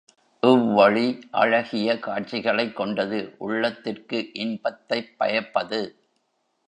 இவ்வழி அழகிய காட்சிகளைக் கொண்டது உள்ளத்திற்கு இன்பத்தைப் பயப்பது.